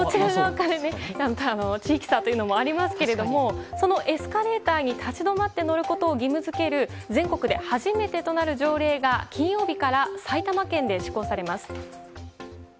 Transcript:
地域差というのがありますけどもそのエスカレーターに立ち止まって乗ることを義務付ける全国で初めてとなる条例が金曜日から埼玉県で施行されます。